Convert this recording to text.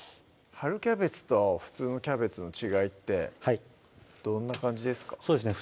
春キャベツと普通のキャベツの違いってどんな感じですか？